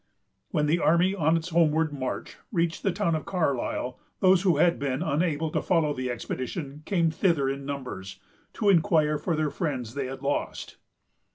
When the army, on its homeward march, reached the town of Carlisle, those who had been unable to follow the expedition came thither in numbers, to inquire for the friends they had lost.